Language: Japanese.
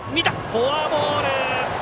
フォアボール。